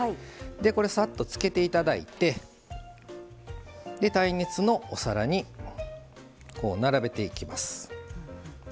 さっと、くぐらせていただいて耐熱のお皿に並べていきます。